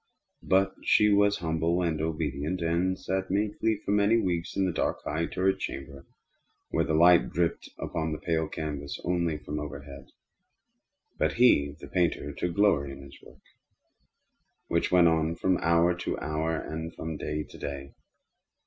But she was humble and obedient, and sat meekly for many weeks in the dark, high turret chamber where the light dripped upon the pale canvas only from overhead. But he, the painter, took glory in his work, which went on from hour to hour, and from day to day.